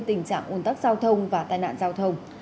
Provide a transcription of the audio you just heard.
tình trạng ồn tắc giao thông và tai nạn giao thông